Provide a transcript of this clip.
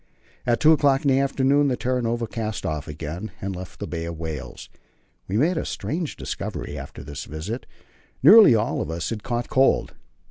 At two o'clock in the afternoon the Terra Nova cast off again, and left the Bay of Whales. We made a strange discovery after this visit. Nearly all of us had caught cold.